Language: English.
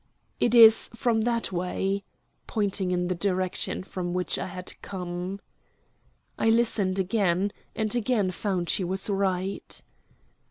"It is from that way," pointing in the direction from which I had come. I listened again, and again found she was right.